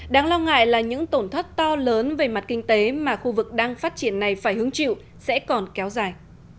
đáng lo ngại là những tổn thất to lớn về mặt kinh tế mà khu vực đang phát triển này phải hứng chịu sẽ còn kéo dài